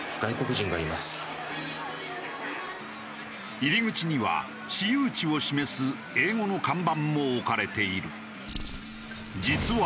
入り口には私有地を示す英語の看板も置かれている。